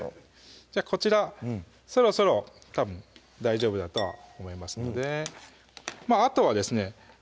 こちらそろそろたぶん大丈夫だとは思いますのであとはですね